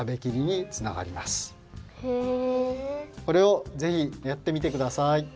これをぜひやってみてください。